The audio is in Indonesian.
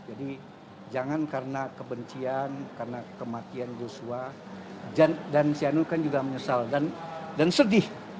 jadi jangan karena kebencian karena kematian joshua dan sianul kan juga menyesal dan sedih